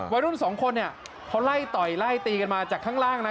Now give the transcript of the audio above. วัยรุ่นสองคนเนี่ยเขาไล่ต่อยไล่ตีกันมาจากข้างล่างนะ